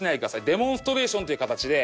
デモンストレーションという形で。